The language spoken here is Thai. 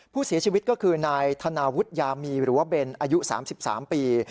ผู้เสียชีวิตก็คือนายธนาวุฒิยามีหรือว่าเบนอายุ๓๓ปี